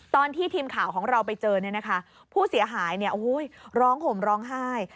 ตอนที่ทีมข่าวของเราไปเจอเนี่ยนะคะผู้เสียหายร้องห่มร้องไห้